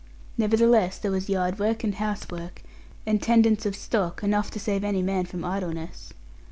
Nevertheless, there was yard work, and house work, and tendence of stock, enough to save any man from idleness.